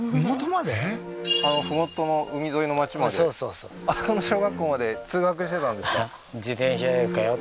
麓の海沿いの町までそうそうそうそうあそこの小学校まで通学してたんですか？